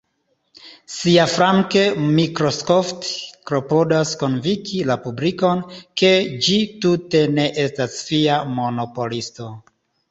Siaflanke Microsoft klopodas konvinki la publikon, ke ĝi tute ne estas fia monopolisto.